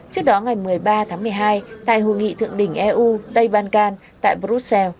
trước đó ngày một mươi ba tháng một mươi hai tại hội nghị thượng đỉnh eu tây ban can tại brussels